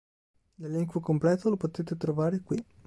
L'elenco completo lo potete trovare qui.